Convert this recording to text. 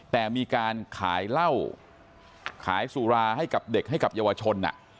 แต่มีการขายเหล้าขายสุราให้กับเด็กให้กับเยาวชน